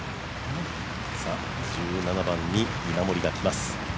１７番に稲森が来ます。